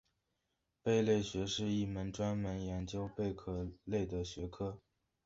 贝类学是一门专门研究贝类的学科。